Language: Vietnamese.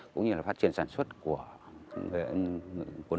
cũng như phát triển sản xuất của nông sản